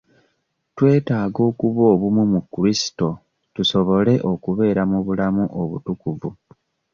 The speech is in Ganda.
Twetaaga okuba obumu mu Kulisito tusobole okubeera mu bulamu obutukuvu.